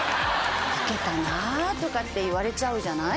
「老けたな」とかって言われちゃうじゃない。